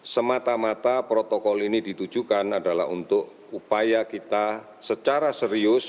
semata mata protokol ini ditujukan adalah untuk upaya kita secara serius